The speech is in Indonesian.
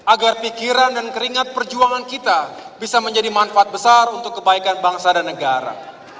agar pikiran dan keringat perjuangan kita bisa menjadi manfaat besar untuk kebaikan bangsa dan negara